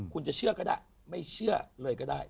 คุณจะเชื่อก็ได้ไม่เชื่อเลยก็ได้